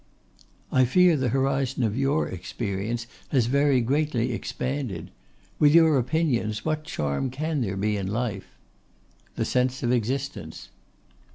'I fear the horizon of your experience has very greatly expanded. With your opinions, what charm can there be in life?' 'The sense of existence.